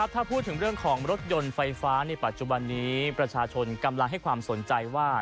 ถ้าพูดถึงเรื่องของรถยนต์ไฟฟ้าในปัจจุบันนี้ประชาชนกำลังให้ความสนใจว่า